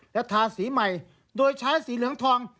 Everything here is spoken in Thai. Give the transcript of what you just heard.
และทาสีใหม่โดยใช้สีเหลืองทอง